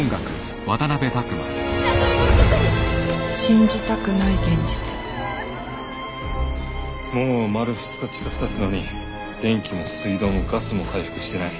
信じたくない現実もう丸２日近くたつのに電気も水道もガスも回復してない。